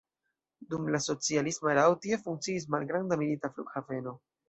Dum la socialisma erao tie funkciis malgranda milita flughaveno.